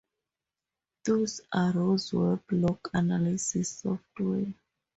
Thus arose web log analysis software.